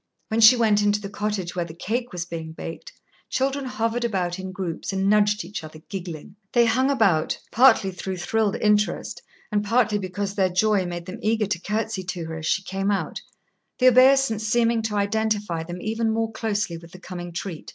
When she went into the cottage where the cake was being baked, children hovered about in groups and nudged each other, giggling. They hung about, partly through thrilled interest, and partly because their joy made them eager to courtesy to her as she came out, the obeisance seeming to identify them even more closely with the coming treat.